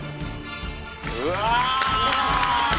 うわ！